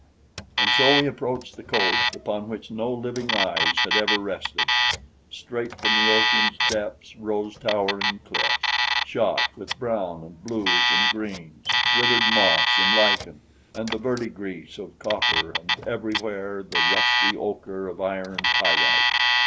And so we approached the coast upon which no living eyes had ever rested. Straight from the ocean's depths rose towering cliffs, shot with brown and blues and greens withered moss and lichen and the verdigris of copper, and everywhere the rusty ocher of iron pyrites.